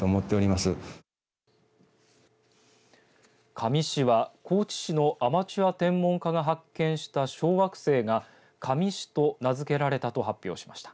香美市は高知市のアマチュア天文家が発見した小惑星がＫａｍｉｓｈｉと名付けられたと発表しました。